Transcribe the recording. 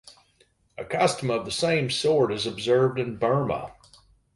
A custom of the same sort is observed in Burma.